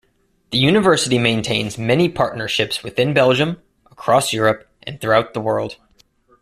The university maintains many partnerships within Belgium, across Europe, and throughout the world.